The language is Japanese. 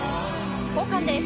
交換です。